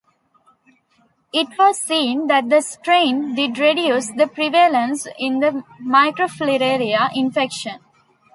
It was seen that the strain did reduce the prevalence in the microfilarial infection.